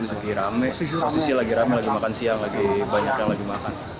lagi rame posisi lagi rame lagi makan siang lagi banyak yang lagi makan